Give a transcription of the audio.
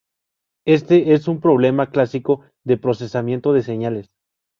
Éste es un problema clásico de procesamiento de señales.